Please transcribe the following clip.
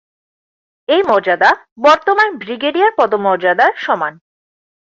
এই মর্যাদা বর্তমান ব্রিগেডিয়ার পদমর্যাদার সমান।